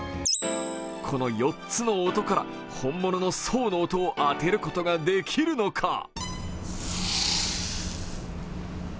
この４つの音から本物の爽の音を当てることができるのか？